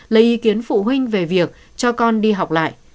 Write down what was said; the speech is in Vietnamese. lấy ý kiến phụ huynh về việc cho con đi học lại